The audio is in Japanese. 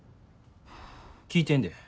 聞いてんで。